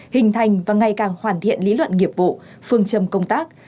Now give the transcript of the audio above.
hình thành và ngày càng hoàn thiện lý luận nghiệp vụ phương châm công tác